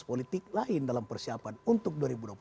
politik lain dalam persiapan untuk